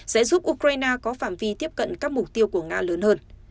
sẽ giúp ukraine có phạm vi tiếp cận các mục tiêu của nga lớn hơn